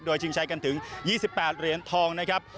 โดยชิงชัยกันถึง๒๘เหรียญทองนะครับ